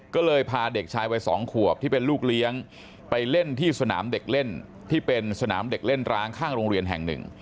ก็เลยพาเด็กชายวัย๒ขวบที่เป็นลูกเลี้ยงไปเล่นที่สนามเด็กเล่นที่เป็นสนามเด็กเล่นร้างข้างโรงเรียนแห่งหนึ่ง